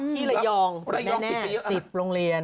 ที่ระยองแน่๑๐โรงเรียน